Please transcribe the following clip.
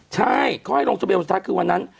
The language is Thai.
ใช่เขาให้ลงทะเบียวันสุดท้ายคือวันนั้น